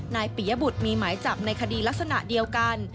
ปียบุตรมีหมายจับในคดีลักษณะเดียวกัน